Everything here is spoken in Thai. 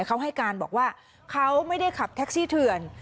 เขาให้การบอกว่าเขาไม่ได้ขับแท็กซี่เถื่อน